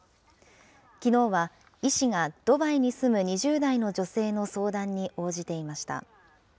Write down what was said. きのうは、医師がドバイに住む２０代の女性の相談に応じていました。